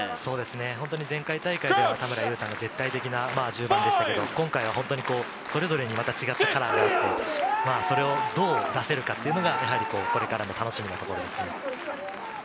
そうですね、前回大会では田村優さんが絶対的な１０番でしたけど、今回は本当にそれぞれに違ったカラーがあって、それをどう出せるかっていうのが、これからの楽しみなところです。